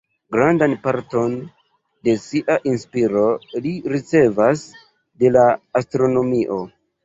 Grandan parton de sia inspiro li ricevas de la astronomio.